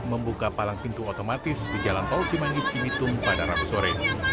membuka palang pintu otomatis di jalan tol cimanggis cimitung pada rabu sore